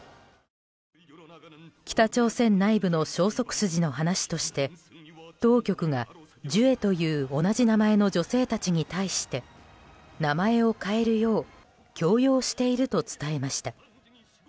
北朝鮮内部の消息筋の話として当局がジュエという同じ名前の女性たちに対して名前を変えるよう強要していると伝えました。